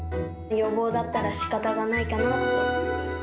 予防だったらしかたがないかなと。